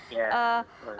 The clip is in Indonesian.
ya prof hadi